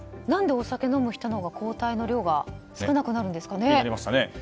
何でお酒を飲む人のほうが抗体の量が少なくなるんですかね。